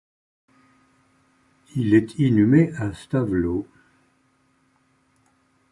Il est inhumé à Stavelot.